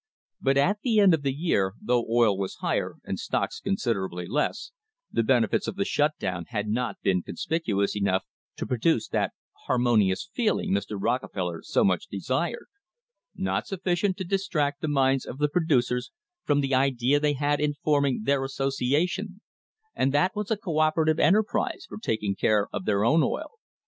But at the end of the year, though oil was higher and stocks consider ably less, the benefits of the shut down had not been con spicuous enough to produce that "harmonious feeling" Mr. Rockefeller so much desired; not sufficient to distract the minds of the producers from the idea they had in forming their association, and that was a co operative enterprise for taking care of their own oil.